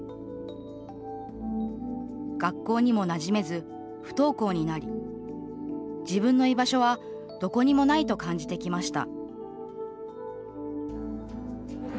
学校にもなじめず、不登校になり自分の居場所はどこにもないと感じてきました